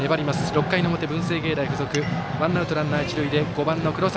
６回の表、文星芸大付属ワンアウト、ランナー、一塁で５番の黒崎。